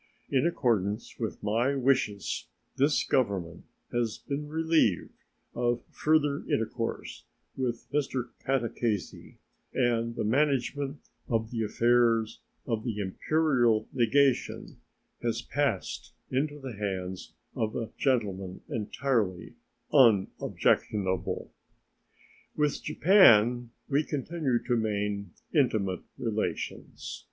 In accordance with my wishes, this Government has been relieved of further intercourse with Mr. Catacazy, and the management of the affairs of the imperial legation has passed into the hands of a gentleman entirely unobjectionable. With Japan we continue to maintain intimate relations.